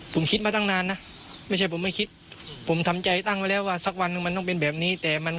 ผมคิดมาตั้งนานนะไม่ใช่ผมไม่คิด